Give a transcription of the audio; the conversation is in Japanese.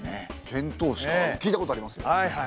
遣唐使か聞いたことありますよ。